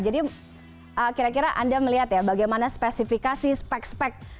jadi kira kira anda melihat ya bagaimana spesifikasi spek spek